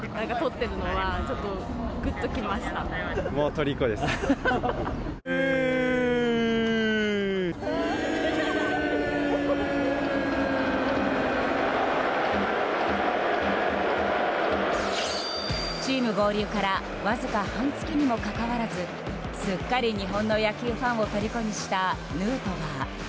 十六種類で十六茶チーム合流からわずか半月にもかかわらずすっかり日本の野球ファンをとりこにしたヌートバー。